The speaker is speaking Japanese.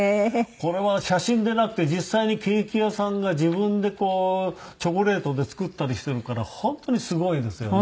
これは写真でなくて実際にケーキ屋さんが自分でこうチョコレートで作ったりしているから本当にすごいですよね。